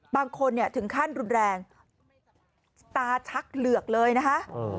บางคนเนี่ยถึงขั้นรุนแรงตาชักเหลือกเลยนะคะ